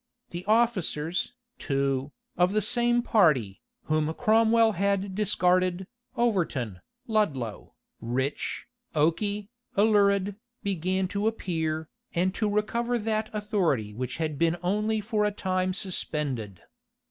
The officers, too, of the same party, whom Cromwell had discarded, Overton, Ludlow, Rich, Okey, Alured, began to appear, and to recover that authority which had been only for a time suspended.